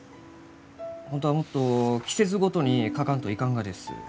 本当はもっと季節ごとに描かんといかんがです。